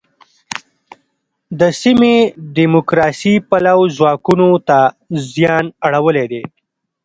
د سیمې دیموکراسي پلوو ځواکونو ته زیان اړولی دی.